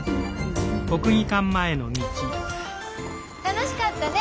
楽しかったね！ね！